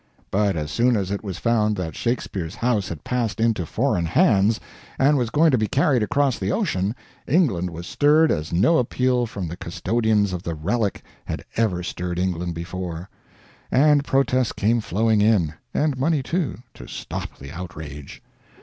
But as soon as it was found that Shakespeare's house had passed into foreign hands and was going to be carried across the ocean, England was stirred as no appeal from the custodians of the relic had ever stirred England before, and protests came flowing in and money, too, to stop the outrage.